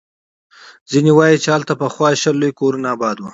ځيني وایي، چې دلته پخوا شل لوی کورونه اباد ول.